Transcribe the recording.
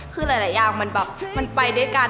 คือหลายอย่างมันไปด้วยกัน